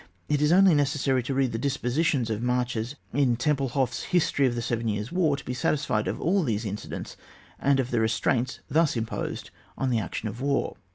It is only necessary to read the dispositions for marches in Tempelhof 's History of the Seven Years' War, to be satisfied of all these incidents and of the restraints thus imposed on the action of war.